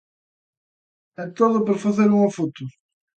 E todo por facer unha foto.